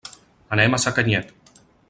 Anem a Sacanyet.